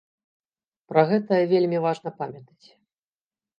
Пра гэта вельмі важна памятаць.